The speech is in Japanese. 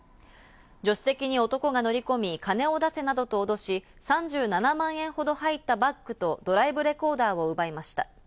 助手席に男が乗り込み、金を出せなどとおどし３７万円ほど入ったバッグとドライブレコーダーを奪いました。